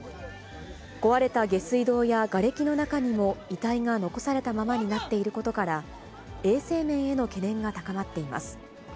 壊れた下水道やがれきの中にも遺体が残されたままになっていることから、衛生面への懸念が高まっています。